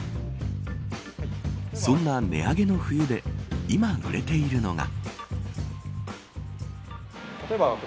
そんな値上げの冬で今、売れているのが。